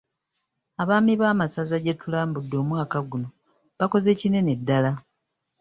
Abaami b'amasaza gye tulambudde omwaka guno bakoze kinene ddala.